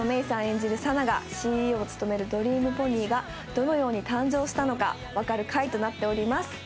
演じる佐奈がＣＥＯを務めるドリームポニーがどのように誕生したのかわかる回となっております